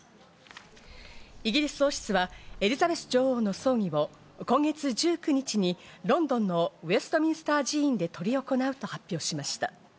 イギリス王室はエリザベス女王の葬儀を今月１９日にロンドンのウェストミンスター寺院で執り行うと発表しました。